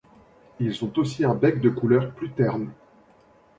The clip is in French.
Ils ont aussi un bec de couleur plus terne.